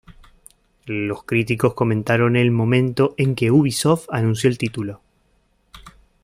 Los críticos comentaron el momento en que Ubisoft anunció el título.